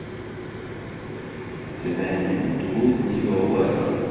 Ttbanen-d ur ten-yuɣ wara.